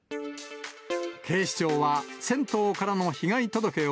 警視庁は銭湯からの被害届を